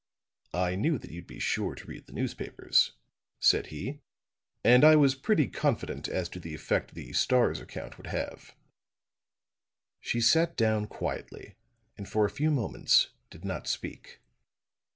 "I knew that you'd be sure to read the newspapers," said he. "And I was pretty confident as to the effect the Star's account would have." She sat down quietly and for a few moments did not speak.